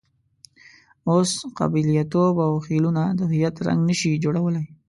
اوس قبیلویت او خېلونه د هویت رنګ نه شي جوړولای.